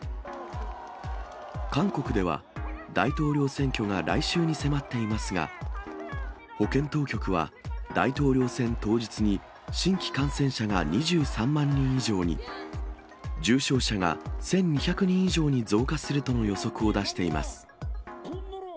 韓国では、大統領選挙が来週に迫っていますが、保健当局は、大統領選当日に新規感染者が２３万人以上に、重症者が１２００人以上に増加するとの予測を出しています。